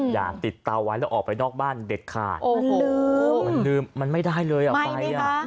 อย่าติดเตาไว้แล้วออกไปนอกบ้านเด็ดขาดมันลืมมันไม่ได้เลยอ่ะไฟอ่ะ